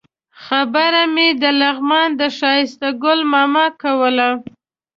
خبره مې د لغمان د ښایسته ګل ماما کوله.